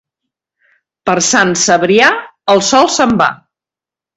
Per Sant Cebrià, el sol se'n va.